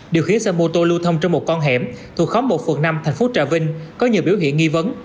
điều khí sân mô tô lưu thông trong một con hẻm thuộc khóm một phường năm thành phố trà vinh có nhiều biểu hiện nghi vấn